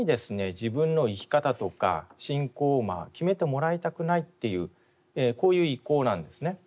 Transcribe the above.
自分の生き方とか信仰を決めてもらいたくないっていうこういう意向なんですね。